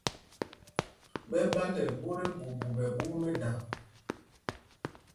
Ɓɛ́ ɛ́ ɓándɛl ɓot ɛɓuuɓu ɓɛ ɓwôk mɛ́da.